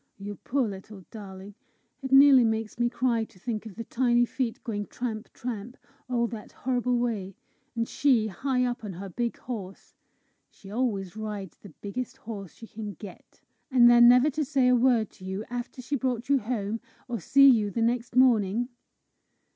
You poor little darling! It nearly makes me cry to think of the tiny feet going tramp, tramp, all that horrible way, and she high up on her big horse! She always rides the biggest horse she can get! And then never to say a word to you after she brought you home, or see you the next morning!"